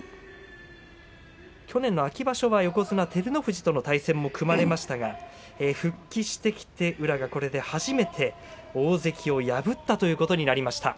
去年の秋場所は横綱照ノ富士との対戦も組まれましたが復帰してきて宇良が初めて大関を破ったということになります。